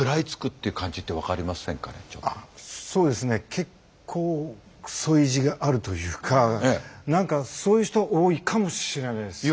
結構クソ意地があるというか何かそういう人多いかもしれないですね。